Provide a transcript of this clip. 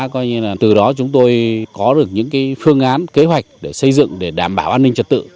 coi như là từ đó chúng tôi có được những phương án kế hoạch để xây dựng để đảm bảo an ninh trật tự